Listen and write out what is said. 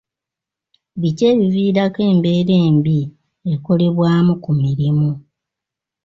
Biki ebiviirako embeera embi ekolebwamu ku mirimu?